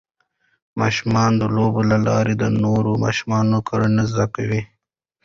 ماشومان د لوبو له لارې د نورو ماشومانو کړنې زده کوي.